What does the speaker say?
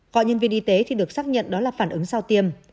cò nhân viên y tế thì được xác nhận đó là phản ứng sau tiêm